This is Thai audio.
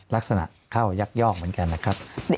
ลักษณะเข้ายักยอกเหมือนกันนะครับ